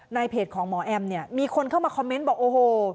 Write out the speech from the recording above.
เพจของหมอแอมเนี่ยมีคนเข้ามาคอมเมนต์บอกโอ้โห